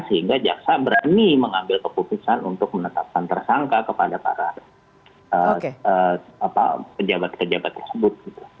sehingga jaksa berani mengambil keputusan untuk menetapkan tersangka kepada para pejabat pejabat tersebut